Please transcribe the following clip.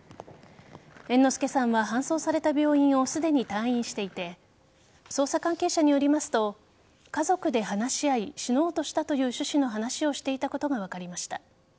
猿之助さんは搬送された病院をすでに退院していて捜査関係者によりますと家族で話し合い死のうとしたという趣旨の話をしていたことが分かりました。